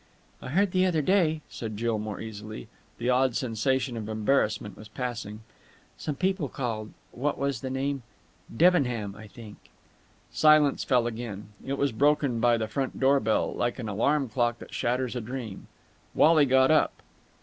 "I heard the other day," said Jill more easily. The odd sensation of embarrassment was passing. "Some people called ... what was the name?... Debenham, I think." Silence fell again. It was broken by the front door bell, like an alarm clock that shatters a dream. Wally got up.